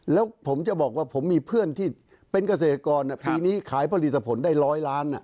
แล้วผมจะบอกว่าผมมีเพื่อนที่เป็นเกษตรกรปีนี้ขายผลิตผลได้ร้อยล้าน